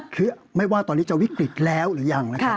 คือไม่ว่าตอนนี้จะวิกฤตแล้วหรือยังนะครับ